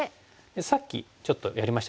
さっきちょっとやりましたよね